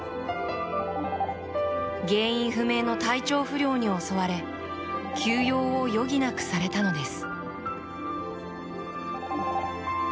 原因不明の体調不良に襲われ休養を余儀なくされたのです。